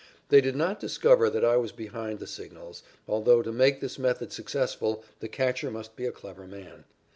They did not discover that I was behind the signals, although to make this method successful the catcher must be a clever man.